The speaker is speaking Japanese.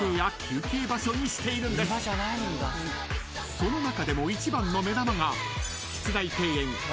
［その中でも一番の目玉が］